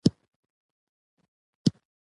نه هم یو داسې ځای و چې سرتېرو شاتګ ورته کړی وای.